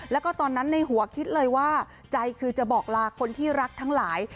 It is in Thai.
แล้วก็ตอนนั้นในหัวคิดเลยว่าใจคือจะบอกลาคนที่รักทั้งหลาย